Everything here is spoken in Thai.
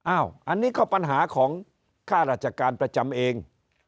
อันนี้ก็ปัญหาของค่าราชการประจำเอง